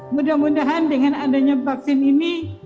mudah mudahan dengan adanya vaksin ini